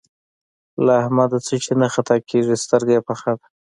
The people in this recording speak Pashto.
له احمده څه شی نه خطا کېږي؛ سترګه يې پخه ده.